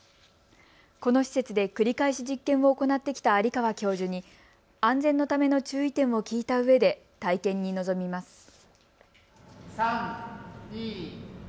この施設で繰り返し実験を行ってきた有川教授に安全のための注意点を聞いたうえで体験に臨みます。